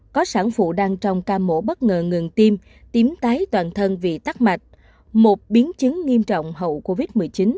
có sản phụ đang trong ca mổ bất ngờ ngừng tim tím tái toàn thân vì tắc mạch một biến chứng nghiêm trọng hậu covid một mươi chín